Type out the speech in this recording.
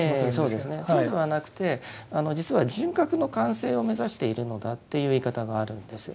そうではなくて実は人格の完成を目指しているのだという言い方があるんです。